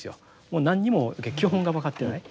もう何にも基本が分かってない。